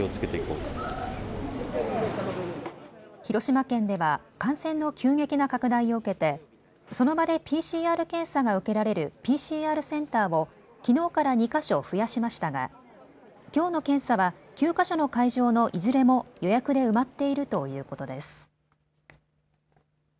広島県では感染の急激な拡大を受けてその場でＰＣＲ検査が受けられるＰＣＲセンターをきのうから２か所増やしましたがきょうの検査は９か所の会場のいずれも予約で埋まっているということです。